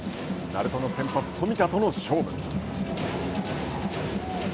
鳴門の先発、冨田との勝負。